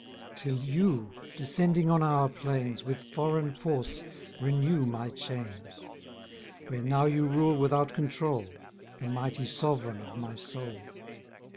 Till you, descending on our plains, With foreign force renew my chains; Where now you rule without controul, The mighty sovereign of my soul.